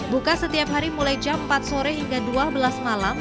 buka setiap hari mulai jam empat sore hingga dua belas malam